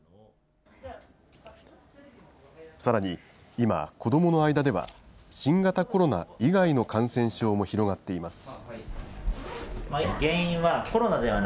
さらに、今、子どもの間では、新型コロナ以外の感染症も広がっています。